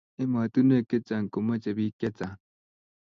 ematunwek chechang komache bik chechang